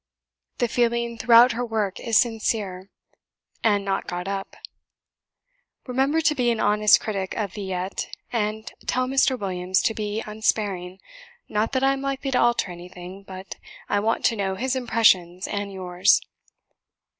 The feeling throughout her work is sincere, and not got up. Remember to be an honest critic of 'Villette,' and tell Mr. Williams to be unsparing: not that I am likely to alter anything, but I want to know his impressions and yours."